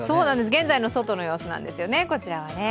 現在の外の様子なんですよね。